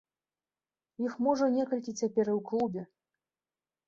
Іх можа некалькі цяпер і ў клубе.